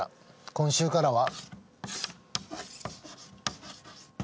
今週からは。